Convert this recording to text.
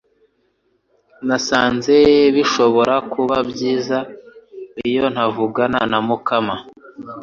Nasanze bishobora kuba byiza iyo ntavugana na Mukamana